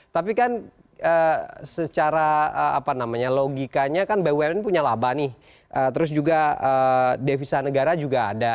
tapi kan secara logikanya bum ini punya laba nih terus juga devisa negara juga ada